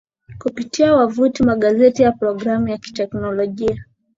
kupitia Wavuti magazeti na programu za kiteknolojia